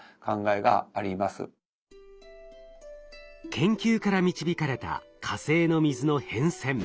研究から導かれた火星の水の変遷。